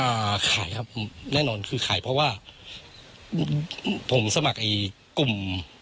อ่าขายครับผมแน่นอนคือขายเพราะว่าผมสมัครไอ้กลุ่ม